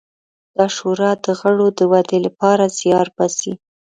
دا شورا د غړو د ودې لپاره زیار باسي.